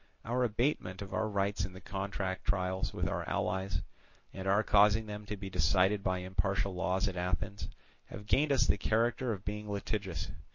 Our abatement of our rights in the contract trials with our allies, and our causing them to be decided by impartial laws at Athens, have gained us the character of being litigious.